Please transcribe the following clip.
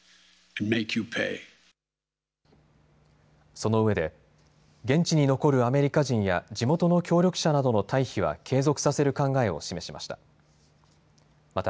そのうえで現地に残るアメリカ人や地元の協力者などの退避は継続させる考えを示しました。